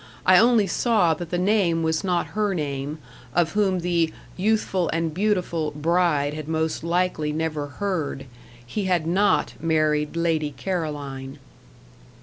I only saw that the name was not her name, of whom the "youthful and beautiful" bride had most likely never heard. He had not married Lady Caroline.